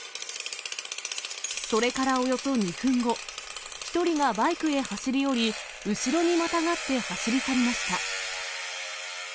それからおよそ２分後、１人がバイクへ走り寄り、後ろにまたがって走り去りました。